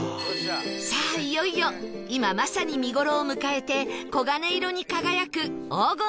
さあいよいよ今まさに見頃を迎えて黄金色に輝く黄金の茶畑へ